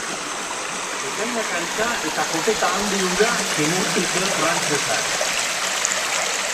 Bekainak altxa eta kopeta handi hura zimurtu zuen Frantsesak.